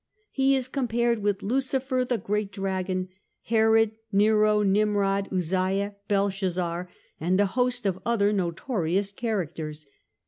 He is compared with Lucifer, the great Dragon, Herod, Nero, Nimrod, Uzziah, Belshazzar, and a host of other notorious characters.